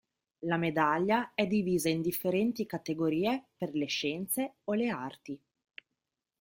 La medaglia è divisa in differenti categorie per le scienze o le arti.